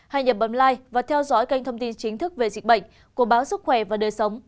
hãy nhập bầm lai và theo dõi kênh thông tin chính thức về dịch bệnh của báo sức khỏe và đời sống